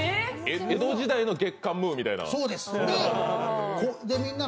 江戸時代の月刊ムーみたいな。